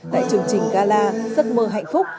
tại chương trình gala giấc mơ hạnh phúc